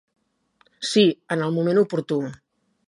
Sí, en el moment oportú.